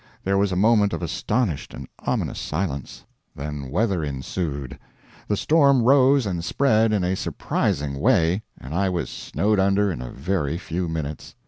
There was a moment of astonished and ominous silence, then weather ensued. The storm rose and spread in a surprising way, and I was snowed under in a very few minutes.